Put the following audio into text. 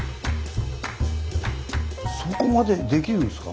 そこまでできるんですか？